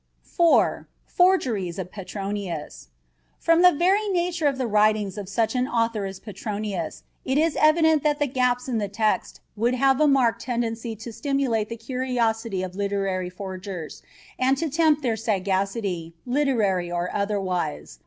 IV FORGERIES OF PETRONIUS. From the very nature of the writings of such an author as Petronius, it is evident that the gaps in the text would have a marked tendency to stimulate the curiosity of literary forgers and to tempt their sagacity, literary or otherwise.